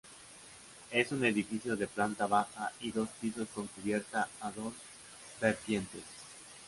Es un edificio de planta baja y dos pisos con cubierta a dos vertientes.